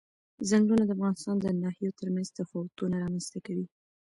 ځنګلونه د افغانستان د ناحیو ترمنځ تفاوتونه رامنځ ته کوي.